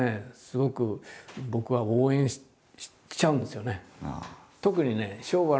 すごく僕は応援しちゃうんですよね。